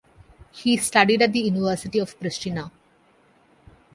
He studied at the University of Prishtina.